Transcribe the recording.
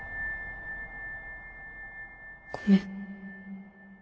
ごめん。